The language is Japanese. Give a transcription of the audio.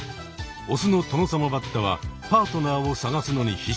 オスのトノサマバッタはパートナーを探すのに必死。